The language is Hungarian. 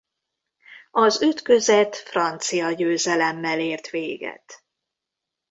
Az ütközet francia győzelemmel ért véget.